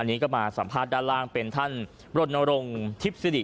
อันนี้ก็มาสัมภาษณ์ด้านล่างเป็นท่านรณรงค์ทิพย์สิริ